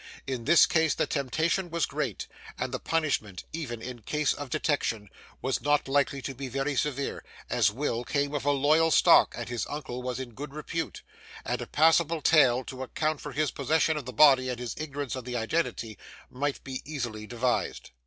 In this case the temptation was great, and the punishment, even in case of detection, was not likely to be very severe, as Will came of a loyal stock, and his uncle was in good repute, and a passable tale to account for his possession of the body and his ignorance of the identity might be easily devised.